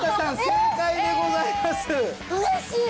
正解でございます